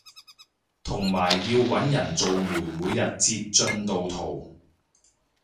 同埋要搵人做媒每日截進度圖